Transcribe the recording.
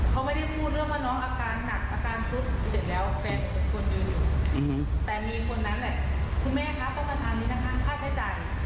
เขาไม่ได้พูดเรื่องว่าน้องอาการหนักอาการซึ่งเสร็จแล้ว